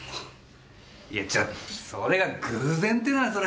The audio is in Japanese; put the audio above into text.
いやちょっとそれが偶然っていうのはそれ。